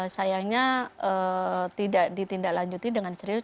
sayangnya tidak ditindaklanjuti dengan serius